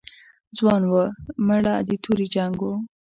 ځوان و، مېړه د تورې جنګ و.